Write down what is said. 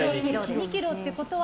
２ｋｇってことは。